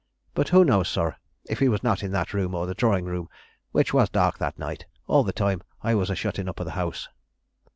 But who knows, sir, if he was not in that room or the drawing room, which was dark that night, all the time I was a shutting up of the house?"